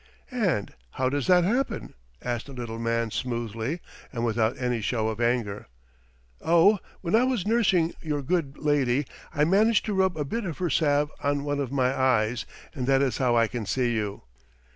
"And how does that happen?" asked the little man smoothly, and without any show of anger. "Oh, when I was nursing your good lady, I managed to rub a bit of her salve on one of my eyes, and that is how I can see you."